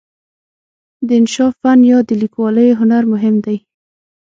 د انشأ فن یا د لیکوالۍ هنر مهم دی.